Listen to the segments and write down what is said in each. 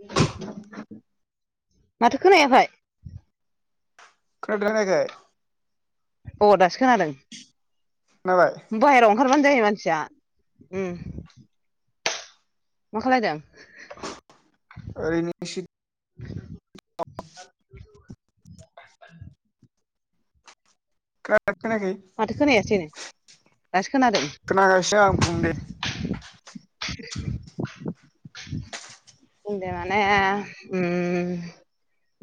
[inaudible] माथो खोनायाखै खोनादोना खोनायाखै अ दासो खोनादों खोनाबाय बाहेरायाव ओंखारबानो जायो मानसिया उम मा खालायदों ओरैनिसै [inaudible] माथो खोनायासैनो दासो खोनादों खोना गासिनो आं बुं दे [inaudible] माने उम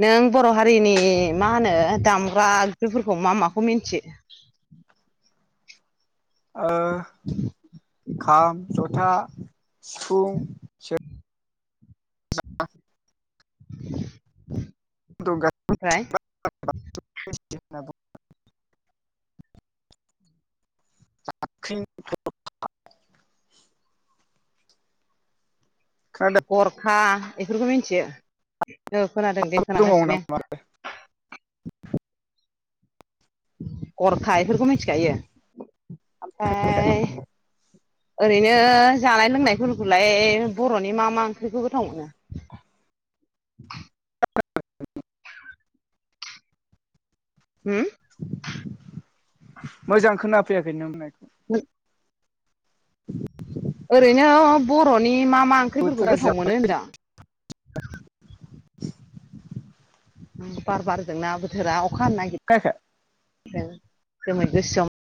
नों बर' हारिनि मा होनो दामग्रा आगजुफोरखौ मा माखौ मिथियो? [inaudible] ओ खाम, जथा, सिफुं, सेर दं [unintelligible] [unintelligible] जाबख्रिं [unintelligible] गरखा इफोरखौ मिनथियो औ खोनादों दे दङ खोनागासिनो नामा गरखा इफोरखौ मिनथिखायो खोनायाखै आमफाय ओरैनो जानाय लोंनायफोरखौलाय बर'नि मा मा ओंख्रिखौ गोथाव मोनो? [inaudible] होम मोजां खोनाफैयाखै नों होननाय [inaudible] [inaudible] ओरैनो बर'नि मा मा ओंख्रिफोरखौ बोथोरा गोथाव मोनो जाबाय होनदां? [inaudible] ओ बार बारदोंना बोथोरा अखा हानो खोनायाखै नागिरदों जोमै गोसोम